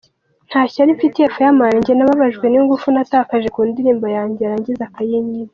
Nta shyari mfitiye Fireman, njye nababajwe n’ingufu natakaje ku ndirimbo yanjye yarangiza akayinyiba.